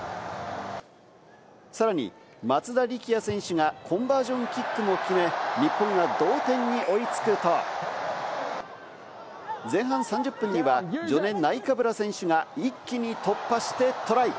さらに松田力也選手がコンバージョンキックを決め、日本が同点に追い付くと、前半３０分にはジョネ・ナイカブラ選手が一気に突破してトライ！